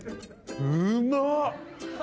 うまっ！